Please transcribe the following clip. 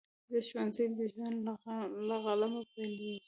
د ښوونځي ژوند له قلمه پیلیږي.